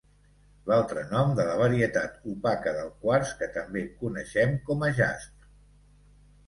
L'altre nom de la varietat opaca del quars que també coneixem com a jaspi.